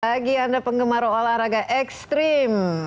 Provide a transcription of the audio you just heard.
bagi anda penggemar olahraga ekstrim